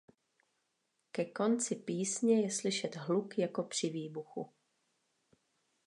Ke konci písně je slyšet hluk jako při výbuchu.